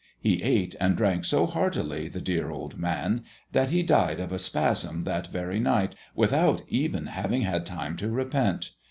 He ate and drank so heartily, the dear good man, that he died of a spasm that very night, without even having had time to repent.